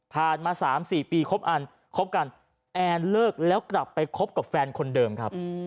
มา๓๔ปีครบอันคบกันแอนเลิกแล้วกลับไปคบกับแฟนคนเดิมครับ